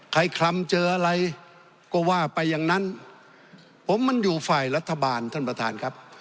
คลำเจออะไรก็ว่าไปอย่างนั้นผมมันอยู่ฝ่ายรัฐบาลท่านประธานครับ